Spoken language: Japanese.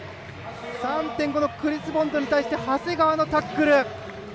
３．５のクリス・ボンドに対して長谷川のタックル！